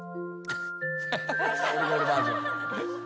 ・オルゴールバージョン。